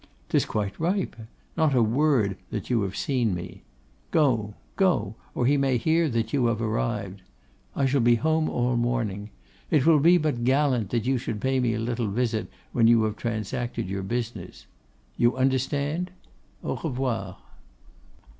'Tis quite ripe. Not a word that you have seen me. Go, go, or he may hear that you have arrived. I shall be at home all the morning. It will be but gallant that you should pay me a little visit when you have transacted your business. You understand. _Au revoir!